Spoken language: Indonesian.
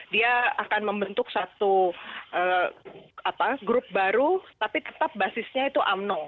dia akan membentuk satu grup baru tapi tetap basisnya itu umno